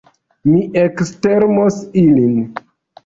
Mi ekstermos ilin!